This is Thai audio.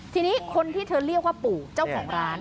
ทีนี้คนที่เธอเรียกว่าปู่เจ้าของร้าน